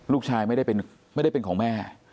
ลูกชายไม่ได้เป็นของแม่